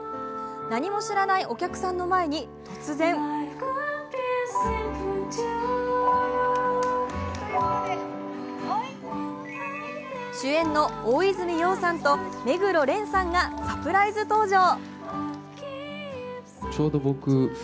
何も知らないお客さんの前に突然主演の大泉洋さんと目黒蓮さんがサプライズ登場。